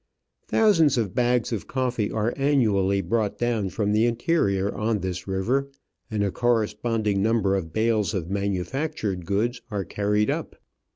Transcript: Thousands of bags of coffee are annually brought down from the interior on this river, and a corresponding number of bales of manufactured goods are carried up.